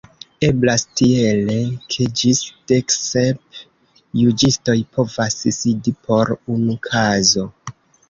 Eblas tiele ke ĝis deksep juĝistoj povas sidi por unu kazo.